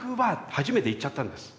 初めて言っちゃったんです。